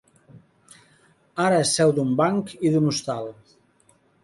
Ara és seu d'un banc i d'un hostal.